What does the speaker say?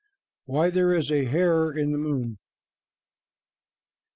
WHY THERE IS A HARE IN THE MOON.